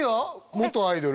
元アイドル？